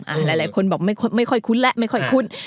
หลายคนบอกไม่ค่อยคุ้นแล้วไม่ค่อยคุ้น